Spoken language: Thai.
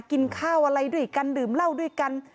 กินข้าวอะไรด้วยกันดื่มเหล้าด้วยกัน